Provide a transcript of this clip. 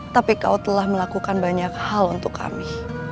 tapi kau telah melakukan banyak hal untuk kami